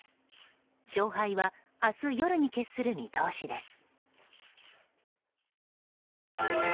勝敗は明日夜に決する見通しです。